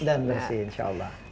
dan bersih insya allah